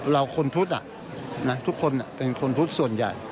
เราคนพุทธทุกคนเป็นคนพุทธส่วนใหญ่